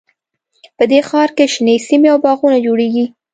په دې ښار کې شنې سیمې او باغونه جوړیږي